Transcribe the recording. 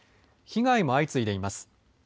被害も相次いでいます。